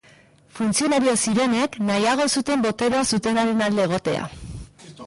Funtzionario zirenek nahiago zuten boterea zutenaren alde egotea.